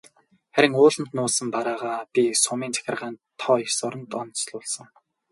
Харин ууланд нуусан бараагаа би сумын захиргаанд тоо ёсоор нь данслуулсан.